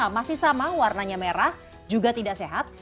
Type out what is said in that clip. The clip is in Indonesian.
masih sama warnanya merah juga tidak sehat